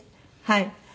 はい。